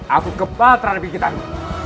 aku kepatraan dikit kamu